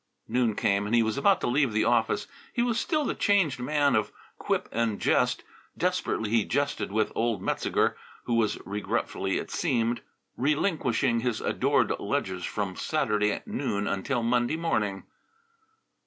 Noon came and he was about to leave the office. He was still the changed man of quip and jest. Desperately he jested with old Metzeger, who was regretfully, it seemed, relinquishing his adored ledgers from Saturday noon until Monday morning.